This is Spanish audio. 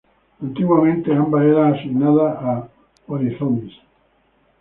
Antiguamente ambas eran asignadas a "Oryzomys".